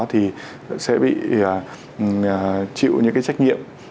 thì sẽ bị chịu những cái trách nhiệm